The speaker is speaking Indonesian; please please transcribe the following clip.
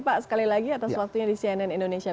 pak sekali lagi atas waktunya di cnn indonesia